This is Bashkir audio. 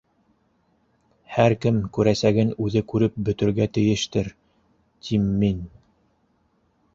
Һәр кем күрәсәген үҙе күреп бөтөргә тейештер тим мин.